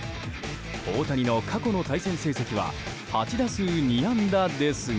大谷の、過去の対戦成績は８打数２安打ですが。